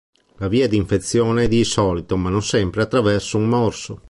La via di infezione è di solito, ma non sempre, attraverso un morso.